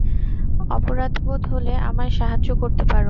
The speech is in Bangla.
অপরাধবোধ হলে আমায় সাহায্য করতে পারো।